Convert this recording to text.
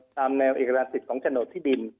ตามแนวเอกสารสิทธิ์ของโฉนดที่ดิน